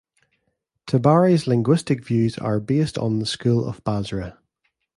Tabari's linguistic views are based on the school of Basra.